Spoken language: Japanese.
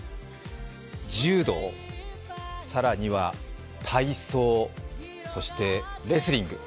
柔道、更には体操そして、レスリング。